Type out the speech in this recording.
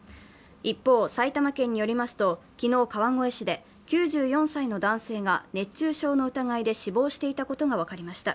一方、埼玉県によりますと、昨日、川越市で９４歳の男性が熱中症の疑いで死亡していたことが分かりました。